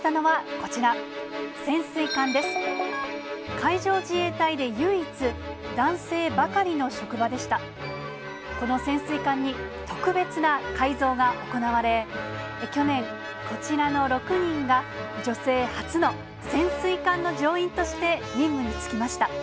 この潜水艦に特別な改造が行われ、去年、こちらの６人が女性初の潜水艦の乗員として任務に就きました。